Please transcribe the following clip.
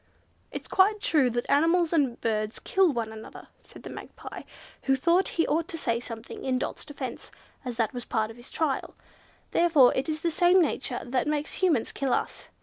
"It's quite true that animals and birds kill one another," said the Magpie, who thought he ought to say something in Dot's defence, as that was his part in the trial, "therefore it is the same nature that makes Humans kill us.